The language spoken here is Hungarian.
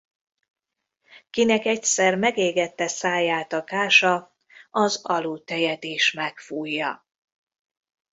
Kinek egyszer megégette száját a kása, az aludttejet is megfújja.